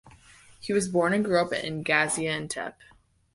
He was born and grew up in Gaziantep.